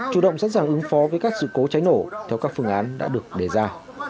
chủ động sẵn sàng ứng phó với các sự cố cháy nổ theo các phương án đã được đề ra